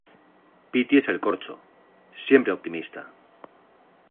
piti es el corcho. siempre optimista